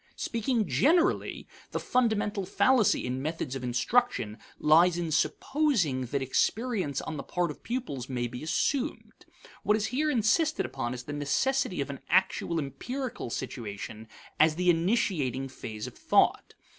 Speaking generally, the fundamental fallacy in methods of instruction lies in supposing that experience on the part of pupils may be assumed. What is here insisted upon is the necessity of an actual empirical situation as the initiating phase of thought.